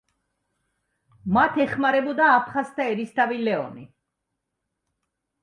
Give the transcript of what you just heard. მათ ეხმარებოდა აფხაზთა ერისთავი ლეონი.